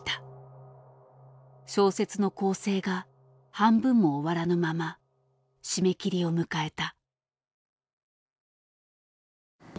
小説の校正が半分も終わらぬまま締め切りを迎えた。